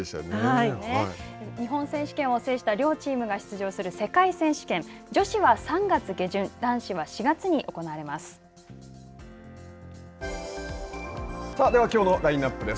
日本選手権を制した両チームが出場する世界選手権女子は３月下旬男子は４月に行わではきょうのラインナップです。